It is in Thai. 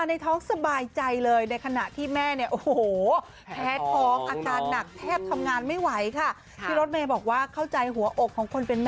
ในท้องสบายใจเลยในขณะที่แม่เนี้ยโอ้โห